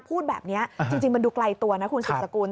พูดแบบนี้จริงมันดูไกลตัวนะคุณสุดสกุล